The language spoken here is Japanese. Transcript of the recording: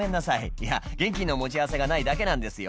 「いや現金の持ち合わせがないだけなんですよ